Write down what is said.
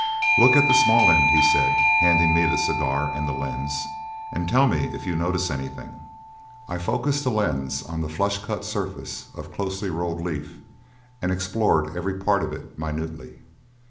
"Look at the small end," he said, handing me the cigar and the lens, "and tell me if you notice anything." I focussed the lens on the flush cut surface of closely rolled leaf, and explored every part of it minutely.